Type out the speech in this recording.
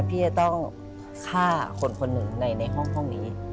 ที่จะต้องฆ่าคนคนหนึ่งในห้องนี้